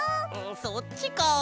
そっちか。